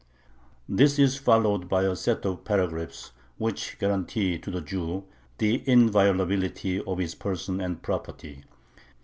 This is followed by a set of paragraphs which guarantee to the Jew the inviolability of his person and property.